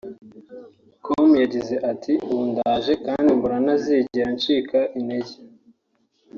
com yagize ati” ubu ndaje kandi mbona ntazigera ncika intege